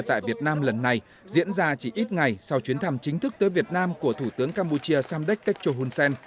tại việt nam lần này diễn ra chỉ ít ngày sau chuyến thăm chính thức tới việt nam của thủ tướng campuchia samdech techo hun sen